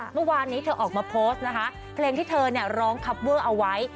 เมื่อวานนี้เธอออกมาโพสต์นะคะเพลงที่เธอร้องคับเวอร์เอาไว้